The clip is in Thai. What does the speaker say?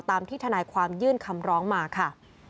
ตามที่ทนายความยื่นคำร้องมาค่ะ